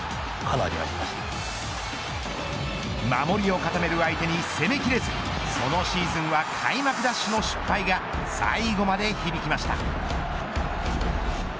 守りを固める相手に攻めきれずそのシーズンは開幕ダッシュの失敗が最後まで響きました。